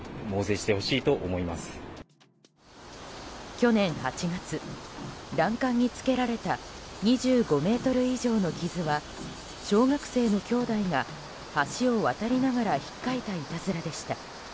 去年８月、欄干につけられた２５ｍ以上の傷は小学生の兄弟が橋を渡りながら引っかいた、いたずらでした。